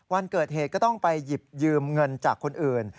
วันเกิดเหตุก็ต้องไปหยิบยืมเงินจากคนอื่น